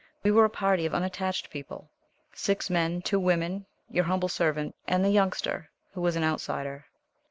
We were a party of unattached people, six men, two women, your humble servant, and the Youngster, who was an outsider.